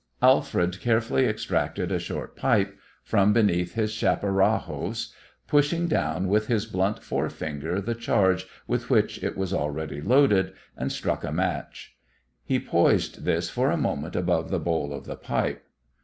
Alfred carefully extracted a short pipe from beneath his chaparajos, pushed down with his blunt forefinger the charge with which it was already loaded, and struck a match. He poised this for a moment above the bowl of the pipe.